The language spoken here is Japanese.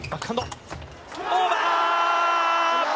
オーバー！